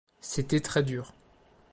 C'était très dur.